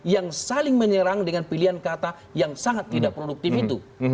yang saling menyerang dengan pilihan kata yang sangat tidak produktif itu